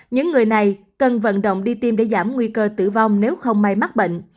những người này cần vận động đi tiêm để giảm nguy cơ tử vong nếu không may mắc bệnh